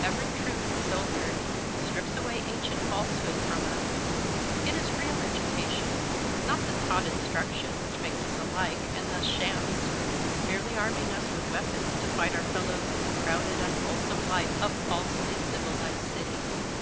Every truth so learnt strips away ancient falsehood from us ; it is real education, not the taught instruction which makes us alike, and thus shams, merely arming us with weapons to fight our fellows in the crowded, unwholesome life of falsely civilised cities.